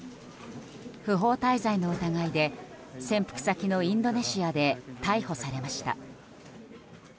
不法滞在の疑いで潜伏先のインドネシアで逮捕されました。